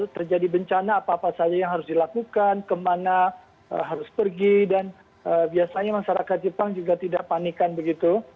terjadi bencana apa apa saja yang harus dilakukan kemana harus pergi dan biasanya masyarakat jepang juga tidak panikan begitu